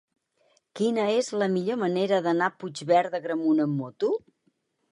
Quina és la millor manera d'anar a Puigverd d'Agramunt amb moto?